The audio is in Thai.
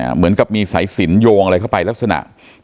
เหมือนกับมีสายสินโยงอะไรเข้าไปลักษณะ